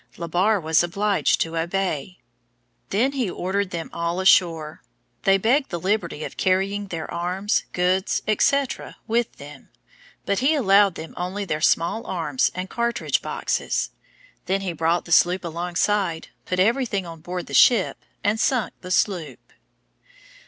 Le Barre was obliged to obey. Then he ordered them all ashore. They begged the liberty of carrying their arms, goods, &c. with them, but he allowed them only their small arms and cartridge boxes. Then he brought the sloop alongside, put every thing on board the ship, and sunk the sloop.